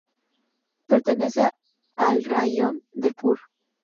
Pertenece al raión del Pur.